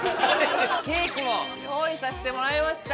ケーキも用意させてもらいました。